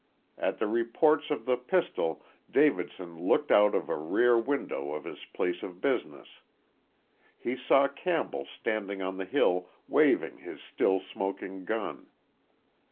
At the reports of the pistol Davidson looked out of a rear window of his place of business. He saw Campbell standing on the hill waving his still smoking gun.